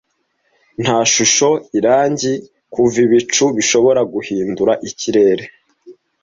Nta shusho irangi kuva ibicu bishobora guhindura ikirere